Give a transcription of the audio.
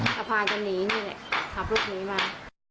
ก็พากันหนีนี่แหละขับรถหนีมา